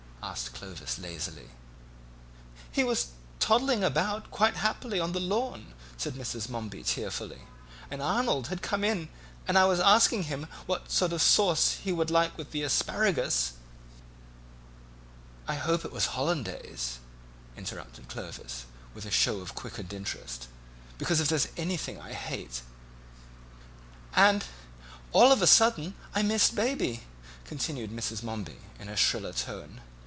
asked Clovis lazily. "He was toddling about quite happily on the lawn," said Mrs. Momeby tearfully, "and Arnold had just come in, and I was asking him what sort of sauce he would like with the asparagus " "I hope he said hollandaise," interrupted Clovis, with a show of quickened interest, "because if there's anything I hate " "And all of a sudden I missed Baby," continued Mrs. Momeby in a shriller tone.